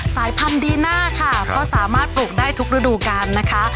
สายพันธุ์ดีน่าค่ะก็สามารถปลูกได้ทุกฤดูการนะคะ